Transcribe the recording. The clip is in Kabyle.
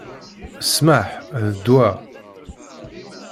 Ssmaḥ, d ddwa!